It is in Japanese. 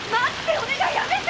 お願いやめて！